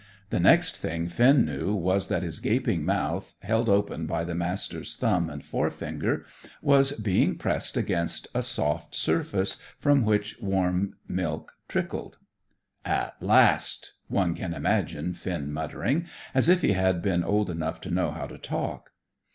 The next thing Finn knew was that his gaping mouth, held open by the Master's thumb and forefinger, was being pressed against a soft surface from which warm milk trickled. "At last!" one can imagine Finn muttering, if he had been old enough to know how to talk.